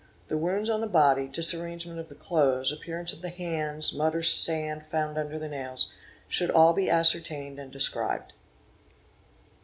The wounds on the body, disarrange _ ment of the clothes, appearance of the hands, mud or sand found under the nails, should all be ascertained and described.